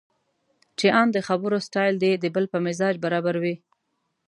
چې ان د خبرو سټایل دې د بل په مزاج برابر وي.